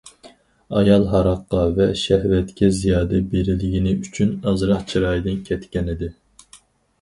ئايال ھاراققا ۋە شەھۋەتكە زىيادە بېرىلگىنى ئۈچۈن ئازراق چىرايىدىن كەتكەنىدى.